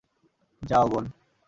যাও, বোন!